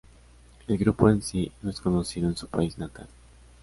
El grupo en si, no es conocido en su país natal.